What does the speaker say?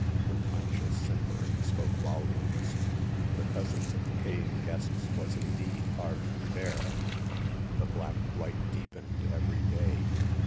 Her conscious simper spoke volumes. The presence of the paying guests was indeed hard to bear. The black blight deepened every day.